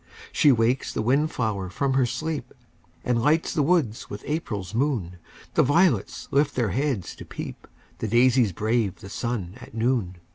She wakes the wind flower from her sleep, And lights the woods with April's moon; The violets lift their heads to peep, The daisies brave the sun at noon.